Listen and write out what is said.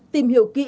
tìm hiểu kỹ